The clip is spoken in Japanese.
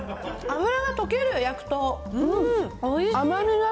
脂が溶ける、焼くと。